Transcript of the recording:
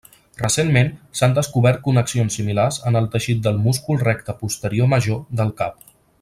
Recentment, s'han descobert connexions similars en el teixit del múscul recte posterior major del cap.